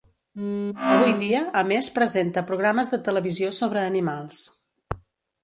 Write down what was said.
Avui dia a més presenta programes de televisió sobre animals.